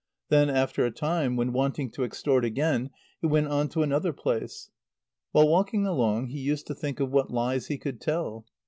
Then, after a time, when wanting to extort again, he went on to another place. While walking along he used to think of what lies he could tell.